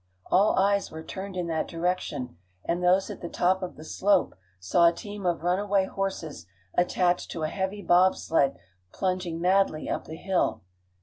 All eyes were turned in that direction, and those at the top of the slope saw a team of runaway horses, attached to a heavy bobsled, plunging madly up the hill.